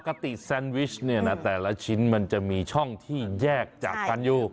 แซนวิชเนี่ยนะแต่ละชิ้นมันจะมีช่องที่แยกจากกันอยู่